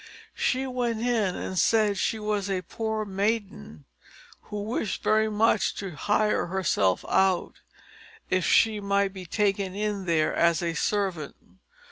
She went in and said she was a poor maiden, who wished very much to hire herself out, if she might be taken in there as a servant.